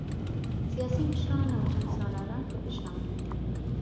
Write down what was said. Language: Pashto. سیاسي مشران او جنګ سالاران پکې شامل دي.